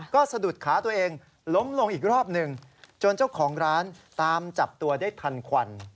ก็สะดุดขาตัวเองล้มลงอีกรอบหนึ่งจนเจ้าของร้านตามจับตัวได้ทันควัน